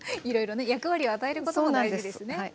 いろいろね役割を与えることも大事ですね。